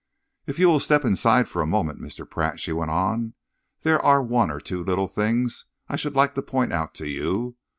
"If you will step inside for a moment, Mr. Pratt," she went on, "there are one or two little things I should like to point out to you.